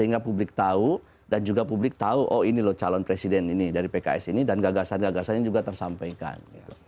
sehingga publik tahu dan juga publik tahu oh ini loh calon presiden ini dari pks ini dan gagasan gagasannya juga tersampaikan